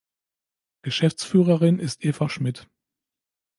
Geschäftsführerin ist Eva Schmidt.